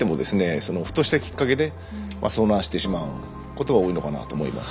ふとしたきっかけで遭難してしまうことが多いのかなと思います。